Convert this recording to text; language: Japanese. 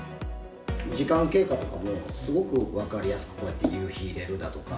時間経過とかもすごく分かりやすく、こうやって夕日入れるだとか。